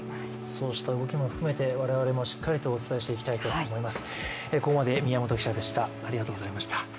そうした動きも含めて我々もしっかりとお伝えしていきたいと思います。